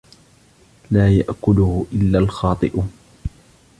لا يَأْكُلُهُ إِلاَّ الْخَاطِؤُونَ